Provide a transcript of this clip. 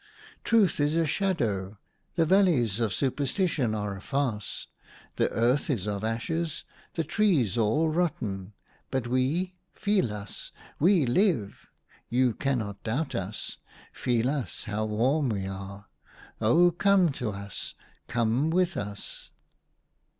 Truth is a shadow ; the valleys of superstition are a farce ; the earth is of ashes, the trees all rotten ; but we — feel us — we live ! You cannot doubt us. Feel us, how warm we are ! Oh, come to us ! Come with us